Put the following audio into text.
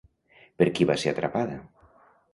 Per qui va ser atrapada?